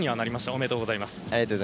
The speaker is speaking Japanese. ありがとうございます。